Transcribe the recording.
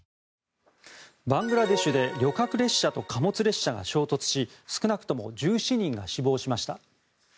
バングラデシュで旅客列車と貨物列車が衝突し少なくとも１７人が死亡しました。